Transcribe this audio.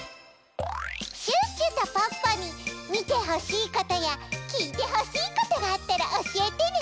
シュッシュとポッポにみてほしいことやきいてほしいことがあったらおしえてね！